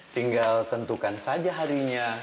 tinggal tentukan saja harinya